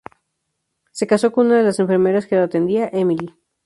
Se casó con una de las enfermeras que lo atendía, Emily.